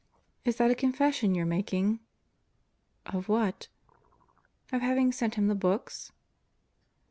"Is that a confession you're making?" "Of what?" "Of having sent him the books?"